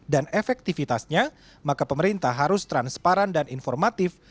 dan efektivitasnya maka pemerintah harus transparan dan informatif